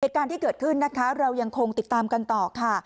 เหตุการณ์ที่เกิดขึ้นนะคะเรายังคงติดตามกันต่อค่ะ